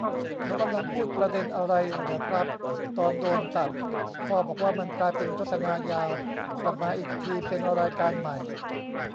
เขากำลังพูดประเด็นอะไรเหรอครับ ตอนโดนตัด พ่อบอกว่ามันกลายเป็นโฆษณายาว กลับมาอีกทีเป็นรายการใหม่